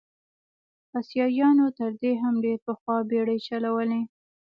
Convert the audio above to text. اسیایانو تر دې هم ډېر پخوا بېړۍ چلولې.